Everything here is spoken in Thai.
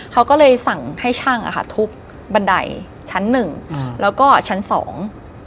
เขาก็เลยสั่งให้ช่างอ่ะค่ะทุบบันไดชั้นหนึ่งอืมแล้วก็ชั้นสอง